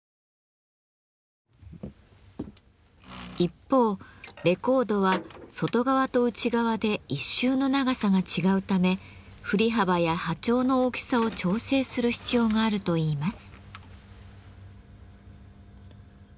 一方レコードは外側と内側で１周の長さが違うため振り幅や波長の大きさを調整する必要があるといいます。